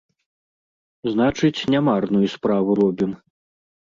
Значыць, не марную справу робім.